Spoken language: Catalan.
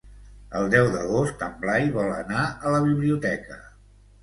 El deu d'agost en Blai vol anar a la biblioteca.